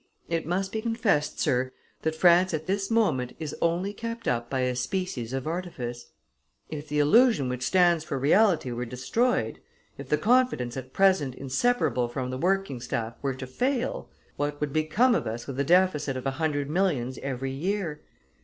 It must be confessed, Sir, that France at this moment is only kept up by a species of artifice; if the illusion which stands for reality were destroyed, if the confidence at present inseparable from the working staff were to fail, what would become of us with a deficit of a hundred millions every year?